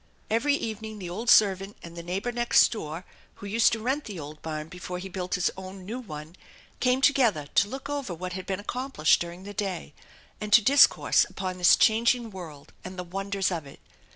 Every evening the old servant and the neighbor next door, who used to rent the old barn before he built his own new one, came together to look over what had been accom plished during the day, and to discourse upon this changing world and the wonders of it.